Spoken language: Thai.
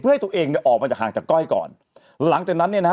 เพื่อให้ตัวเองเนี่ยออกมาจากห่างจากก้อยก่อนหลังจากนั้นเนี่ยนะฮะ